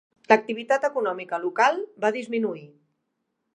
L'activitat econòmica local va disminuir.